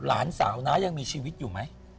หลานสาวน้ายังมีชีวิตอยู่ไหม